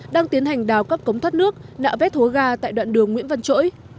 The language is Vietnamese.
đang tiến hành đào cấp cống thoát nước nạ vết hố ga tại đoạn đường nguyễn văn trỗi